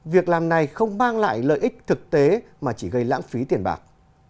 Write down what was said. việc làm này không mang lại lợi ích thực tế mà chỉ gây lãng phí tiền bạc